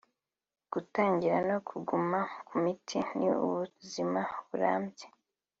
gutangira no kuguma ku miti ni ubuzima burambye